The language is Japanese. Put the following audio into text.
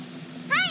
はい。